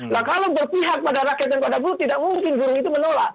nah kalau berpihak pada rakyat dan pada buruh tidak mungkin guru itu menolak